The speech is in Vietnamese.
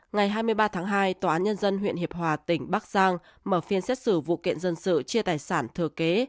ngày hai mươi ba tháng hai tòa án nhân dân huyện hiệp hòa tỉnh bắc giang mở phiên xét xử vụ kiện dân sự chia tài sản thừa kế